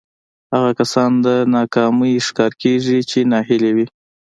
هغه کسان د ناکامۍ ښکار کېږي چې ناهيلي وي.